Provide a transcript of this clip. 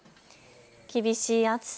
厳しい暑さ！